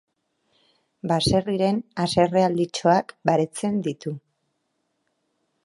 Baserriren hasearrealditxoak baretzen ditu.